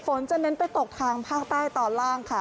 ฝนจะเน้นไปตกทางภาคใต้ตอนล่างค่ะ